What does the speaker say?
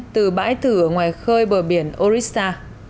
từ bãi thử ở ngoài khơi bờ biển orissa